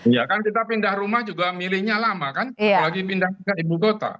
ya kan kita pindah rumah juga milihnya lama kan apalagi pindah pindah ibu kota